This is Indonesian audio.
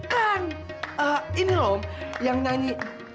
kan ini loh yang nyanyi